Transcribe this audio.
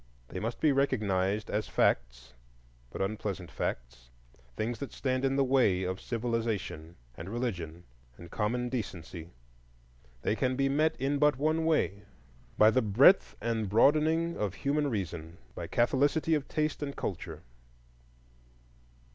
They must be recognized as facts, but unpleasant facts; things that stand in the way of civilization and religion and common decency. They can be met in but one way,—by the breadth and broadening of human reason, by catholicity of taste and culture.